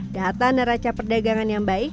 data neraca perdagangan yang baik